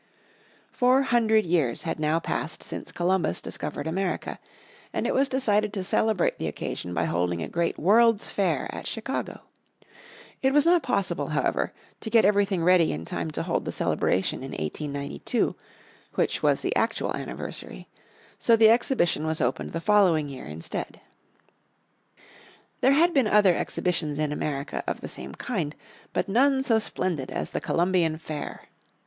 Four hundred years had now passed since Columbus discovered America, and it was decided to celebrate the occasion by holding a great World's Fair at Chicago. It was not possible, however, to get everything ready in time to hold the celebration in 1892, which was the actual anniversary, so the exhibition was opened the following year instead. There had been other exhibitions in America of the same kind, but none so splendid as the Columbian Fair.